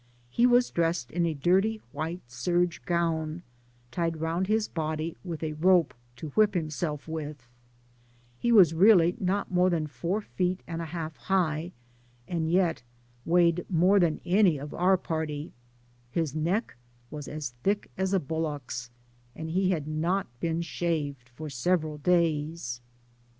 He was dressed in a dirty white serge gown, tied roundlils body, with a rope to whip himself with ; he was not more than four feet and a half high, and yet weighed more than any of our party; his neck was as thick as a bullock''s, and he had not been shaved for several days.